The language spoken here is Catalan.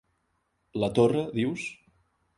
- La torra, dius?